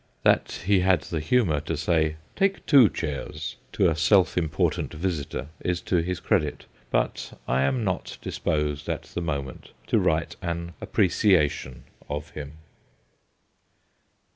That he had the humour to say ' take two chairs ' to a self important visitor is to his credit, but I am not disposed at the moment to write an ' appreciation ' of him.